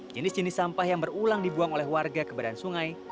jenis jenis sampah yang berulang dibuang oleh warga ke badan sungai